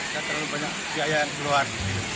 saya terlalu banyak biaya yang keluar